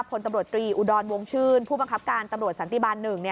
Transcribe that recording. พลตำรวจตรีอุดรวงชื่นผู้บังคับการตำรวจสันติบาล๑